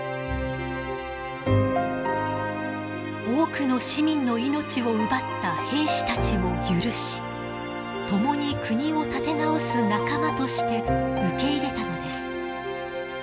多くの市民の命を奪った兵士たちを許し共に国を立て直す仲間として受け入れたのです。